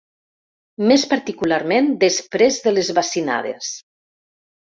Més particularment després de les bacinades